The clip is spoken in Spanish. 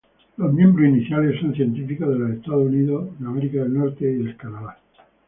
Los miembros iniciales son científicos de los Estados Unidos y del Canadá.